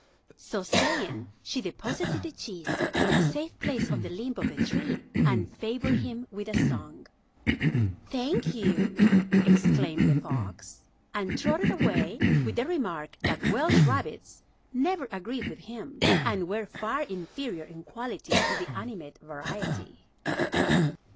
So saying, she deposited the Cheese in a safe Place on the Limb of the Tree, and favored him with a Song. "Thank you," exclaimed the Fox, and trotted away, with the Remark that Welsh Rabbits never agreed with him, and were far inferior in Quality to the animate Variety.